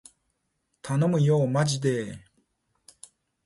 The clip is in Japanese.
たのむよーまじでー